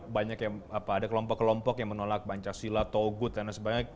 banyak yang ada kelompok kelompok yang menolak pancasila togut dan lain sebagainya